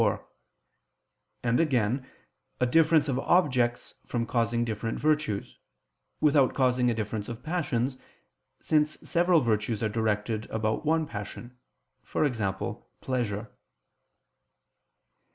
4); and again, a difference of objects from causing different virtues, without causing a difference of passions, since several virtues are directed about one passion, e.g. pleasure.